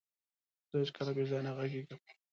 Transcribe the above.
زه هيڅکله بيځايه نه غږيږم.